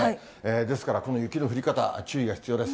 ですからこの雪の降り方、注意が必要です。